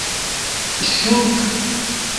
ݜوت